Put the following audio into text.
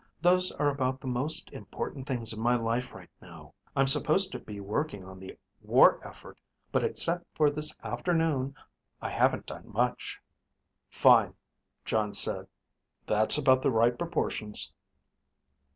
Those are about the most important things in my life right now. I'm suppose to be working on the war effort, but except for this afternoon, I haven't done much." "Fine," Jon said. "That's about the right proportions."